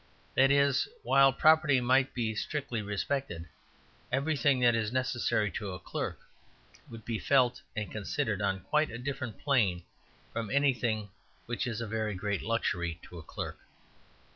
That is, that while property might be strictly respected, everything that is necessary to a clerk would be felt and considered on quite a different plane from anything which is a very great luxury to a clerk.